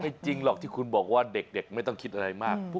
จริงหรอกที่คุณบอกว่าเด็กไม่ต้องคิดอะไรมาก